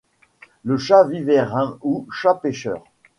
Le chat viverrin ou chat pêcheur